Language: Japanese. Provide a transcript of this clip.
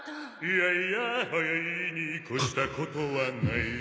いやいや早いに越したことはない。